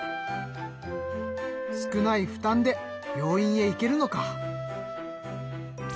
少ない負担で病院へ行けるのか！